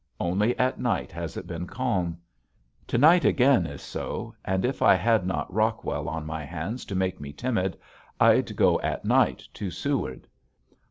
Only at night has it been calm. To night again is so and if I had not Rockwell on my hands to make me timid I'd go at night to Seward.